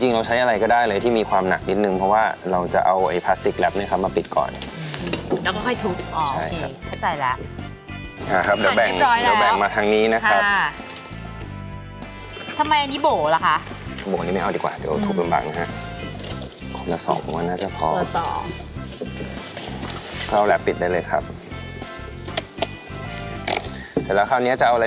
เราใช้อะไรก็ได้เลยที่มีความหนักนิดนึงเพราะว่าเราจะเอาไอ้พลาสติกแล็ปเนี้ยครับมาปิดก่อนแล้วก็ค่อยทุบออกใช่ครับเข้าใจแล้วอ่าครับเดี๋ยวแบ่งเดี๋ยวแบ่งมาทางนี้นะครับค่ะทำไมอันนี้โบ๋ล่ะคะโบ๋นี้ไม่เอาดีกว่าเดี๋ยวทุบบางนะฮะแล้วสองหัวน่าจะพอสองเข้าแล้วปิดได้เลยครับเสร็จแล้วคราวนี้จะเอาอะไร